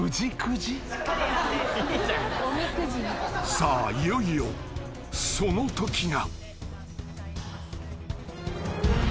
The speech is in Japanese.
［さあいよいよそのときが］